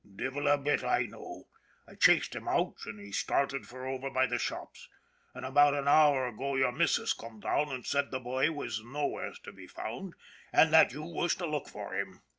" Devil a bit I know. I chased him out, an' he started for over by the shops. An' about an hour ago your missus come down an' said the bhoy was no wheres to be found, an' that you was to look for him."